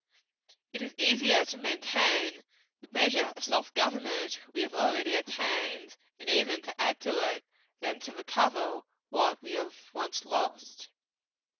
It is easier to maintain the measure of self government we have already attained, and even to add to it, than to recover what we have once lost.